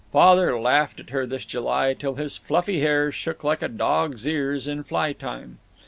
Father laughed at her this July till his fluffy hair shook like a dog's ears in fly time.